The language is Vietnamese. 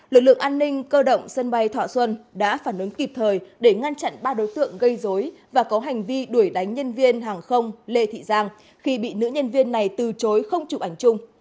lực lượng an ninh cơ động sân bay thọ xuân đã phản ứng kịp thời để ngăn chặn ba đối tượng gây dối và có hành vi đuổi đánh nhân viên hàng không lê thị giang khi bị nữ nhân viên này từ chối không chụp ảnh chung